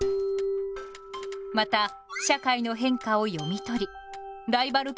また社会の変化を読み取りライバル